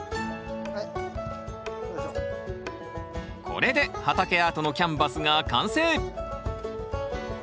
これで畑アートのキャンバスが完成！